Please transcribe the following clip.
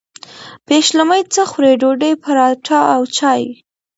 پیشلمۍ څه خورئ؟ ډوډۍ، پراټه او چاي